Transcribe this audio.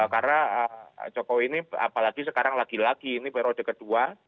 karena jokowi ini apalagi sekarang lagi lagi ini perode kedua